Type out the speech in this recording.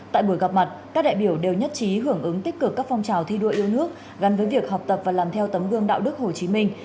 tại buổi gặp mặt các đại biểu đều nhất trí hưởng ứng tích cực các phong trào thi đua yêu nước gắn với việc học tập và làm theo tấm gương đạo đức hồ chí minh